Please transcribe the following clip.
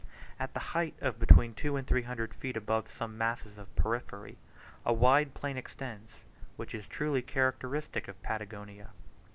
At the height of between two and three hundred feet above some masses of porphyry a wide plain extends, which is truly characteristic of Patagonia.